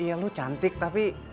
iya lu cantik tapi